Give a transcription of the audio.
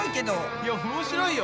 いや面白いよ！